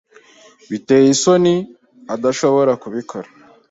Biteye isoni adashobora kubikora.